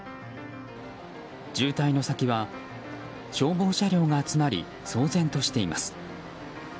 渋滞の先は消防車両が集まり騒然としています。